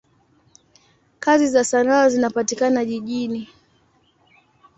Kazi za sanaa zinapatikana jijini.